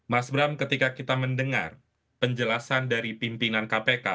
mas bram ketika kita mendengar penjelasan dari pimpinan kpk